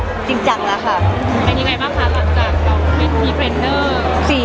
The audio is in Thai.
เป็นยังไงบ้างคะหลังจากเป้นทีเพล็นด์เนอร์